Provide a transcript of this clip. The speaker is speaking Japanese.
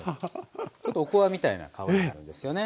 ちょっとおこわみたいな香りになるんですよね。